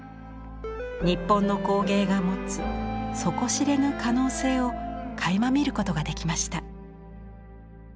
日本の工芸が持つ底知れぬ可能性をかいま見ることができました。